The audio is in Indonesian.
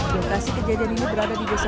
lokasi kejadian ini berada di desa